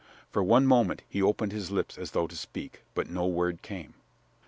For one moment he opened his lips as though to speak, but no word came.